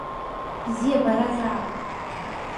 Бзиабаразаап…